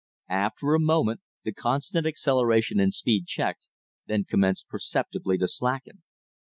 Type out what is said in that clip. After a moment the constant acceleration in speed checked, then commenced perceptibly to slacken.